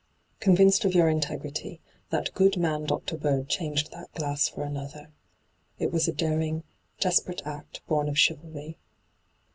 Con vinced of your integrity, that good man Dr. Bird changed that glass for another. It was a daring, desperate act bom of chivalry.